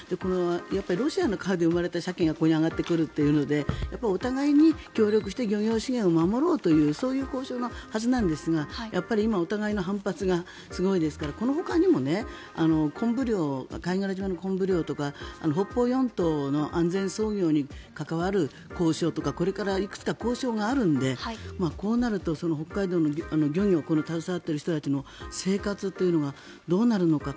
やっぱりロシアの川で生まれたサケがここに上がってくるというのでお互いに協力して漁業資源を守ろうというそういう交渉のはずですが今はお互いの反発がすごいですからこのほかにも貝殻島の昆布漁とか北方四島の安全操業に関わる交渉とかこれからいくつか交渉があるのでこうなると、北海道の漁業に携わっている人たちの生活っていうのがどうなるのか。